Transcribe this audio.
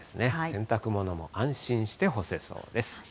洗濯物も安心して干せそうです。